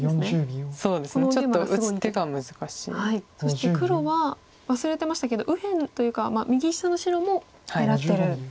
そして黒は忘れてましたけど右辺というか右下の白も狙ってる。